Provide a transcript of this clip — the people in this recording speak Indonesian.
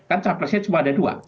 kan capresnya cuma ada dua